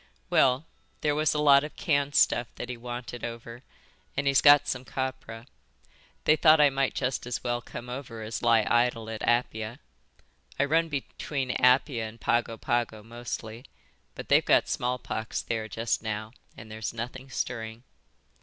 "Well, there was a lot of canned stuff that he wanted over, an' he's got some copra. They thought I might just as well come over as lie idle at Apia. I run between Apia and Pago Pago mostly, but they've got smallpox there just now, and there's nothing stirring."